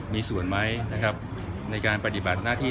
มีส่วนไหมนะครับในการปฏิบัติหน้าที่